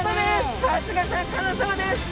さすがシャーク香音さまです。